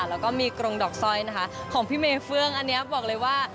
แล้วก็มีกรงดอกสร้อยนะคะของพี่เมเฟื่องอันนี้บอกเลยว่า